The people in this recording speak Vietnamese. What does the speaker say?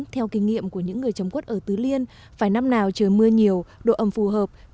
theo kinh nghiệm của những người chấm cốt ở tứ liên phải năm nào trời mưa nhiều độ ấm phù hợp